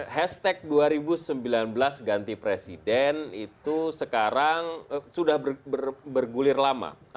hashtag dua ribu sembilan belas ganti presiden itu sekarang sudah bergulir lama